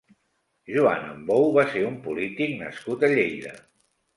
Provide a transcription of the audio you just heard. Juan Ambou va ser un polític nascut a Lleida.